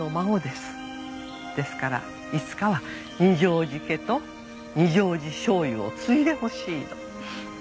ですからいつかは二条路家と二条路醤油を継いでほしいの。